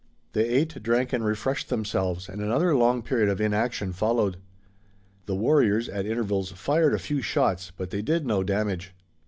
They ate, drank and refreshed themselves and another long period of inaction followed. The warriors at intervals fired a few shots but they did no damage.